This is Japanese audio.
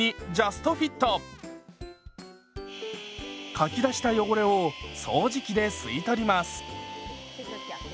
かき出した汚れを掃除機で吸い取ります。